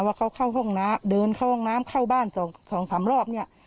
ว่าเขาเข้าห้องน้ำเดินเข้าห้องน้ำเข้าบ้านสองสามรอบเนี่ย